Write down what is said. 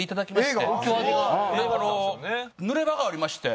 濡れ場がありまして。